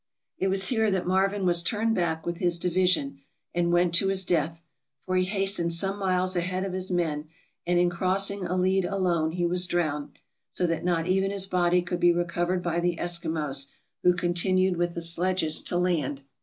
It was here that Marvin was turned back with his division, and went to his death, for he hastened some miles ahead of his men, and in crossing a lead alone he was drowned, so that not even his body could be recovered by the Eskimos, who continued with the sledges to land.